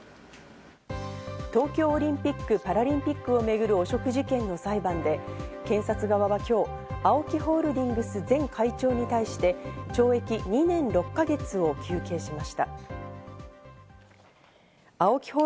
東京オリンピック・パラリンピックを巡る汚職事件の裁判で、検察側は、今日、ＡＯＫＩホールディングス前会長に対して、懲役２年６か月を求刑しました。